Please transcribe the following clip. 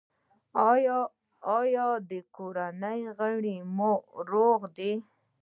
ایا د کورنۍ غړي مو روغ دي؟